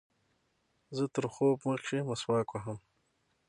زه تر خوب مخکښي مسواک وهم.